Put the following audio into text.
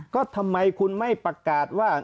ก็ทำไมคุณไม่ประกาศว่า